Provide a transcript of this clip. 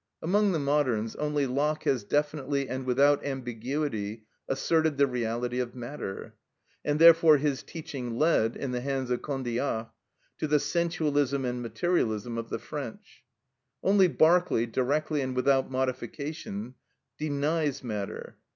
Among the moderns only Locke has definitely and without ambiguity asserted the reality of matter; and therefore his teaching led, in the hands of Condillac, to the sensualism and materialism of the French. Only Berkeley directly and without modifications denies matter.